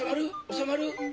収まる？